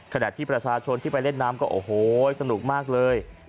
ขณะที่ประชาชนที่ไปเล่นน้ำก็โอ้โหสนุกมากเลย